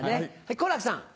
好楽さん。